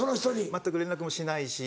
全く連絡もしないし。